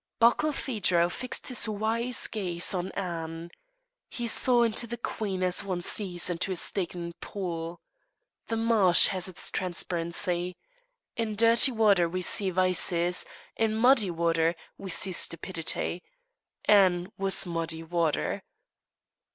Barkilphedro fixed his wise gaze on Anne. He saw into the queen as one sees into a stagnant pool. The marsh has its transparency. In dirty water we see vices, in muddy water we see stupidity; Anne was muddy water.